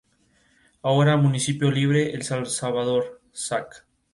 Ahora municipio libre El Salvador, Zac.